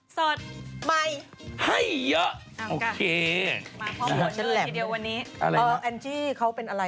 สวัสดีค่ะ